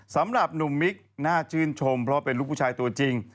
สำหรับหนุ่มมิกน่าชื่นชมเพราะเป็นลูกผู้ชายตัวจริง